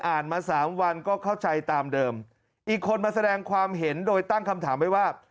มาสามวันก็เข้าใจตามเดิมอีกคนมาแสดงความเห็นโดยตั้งคำถามไว้ว่า